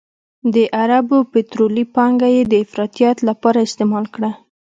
د عربو پطرولي پانګه یې د افراطیت لپاره استعمال کړه.